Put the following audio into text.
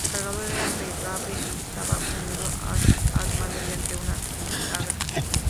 El cargador era plegable y estaba unido al arma mediante una bisagra.